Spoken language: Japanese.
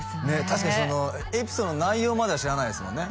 確かにそのエピソードの内容までは知らないですもんね